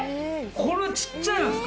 このちっちゃいのですか？